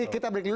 kita break dulu